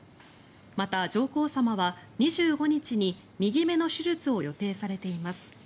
また、上皇さまは２５日に右目の手術を予定されています。